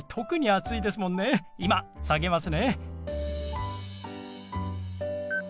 今下げますね。